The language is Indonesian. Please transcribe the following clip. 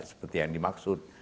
seperti yang dimaksud